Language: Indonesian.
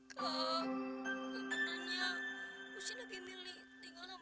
tante tunjukkan kamarnya kalian yuk